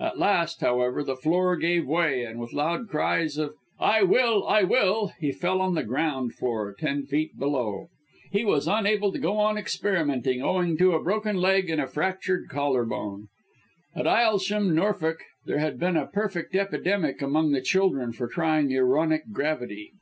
At last, however, the floor gave way, and with loud cries of "I will! I will!" he fell on the ground floor, ten feet below! He was unable to go on experimenting, owing to a broken leg and a fractured collar bone. In Aylsham, Norfolk, there had been a perfect epidemic among the children for trying aeronic gravity.